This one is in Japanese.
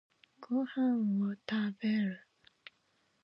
ご飯を食べる。